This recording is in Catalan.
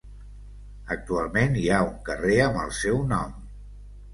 Actualment hi ha un carrer amb el seu nom.